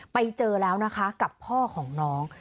ไปเจอแล้วนะคะกับพ่อของน้อง